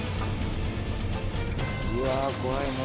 うわ怖いね